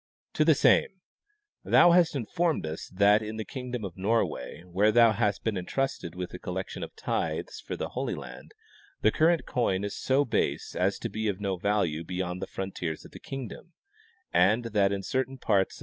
To the same: Thou has informed us that in the kingdom of Norway, where thou hast been entrusted with the collection of tithes for the Holy Land, the current coin is so base as to be of no value beyond the frontiers of tlie kingdom, and that in certain parts 27^6 Baseness of the Coin.